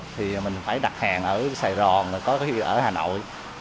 thì mình phải đặt hàng ở sài gòn mà có khi ở hà nội